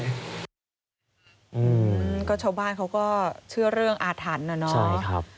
อืมก็ชาวบ้านเขาก็เชื่อเรื่องอาถรรพ์นะเนาะ